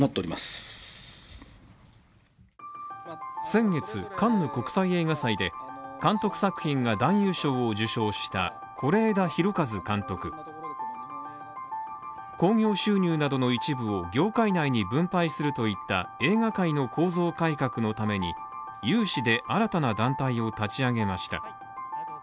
先月カンヌ国際映画祭で監督作品が男優賞を受賞した是枝裕和監督興行収入などの一部を業界内に分配するといった映画界の構造改革のために有志で新たな団体を立ち上げました。